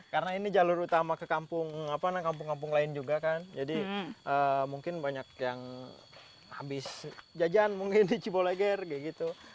karena ini jalur utama ke kampung kampung lain juga kan jadi mungkin banyak yang habis jajan mungkin di ciboleger gitu